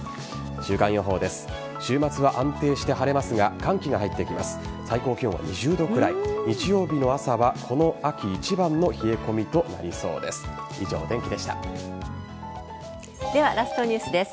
週間予報です。